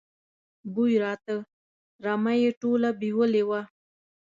بوی راته، رمه یې ټوله بېولې وه.